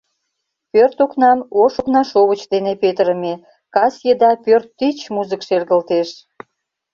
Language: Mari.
Пӧрт окнам ош окнашовыч дене петырыме, кас еда пӧрт тич музык шергылтеш.